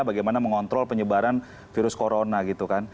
bagaimana mengontrol penyebaran virus corona gitu kan